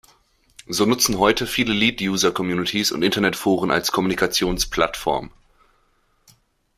So nutzen heute viele Lead User Communities und Internetforen als Kommunikationsplattform.